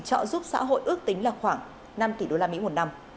trợ giúp xã hội ước tính là khoảng năm tỷ đô la mỹ một năm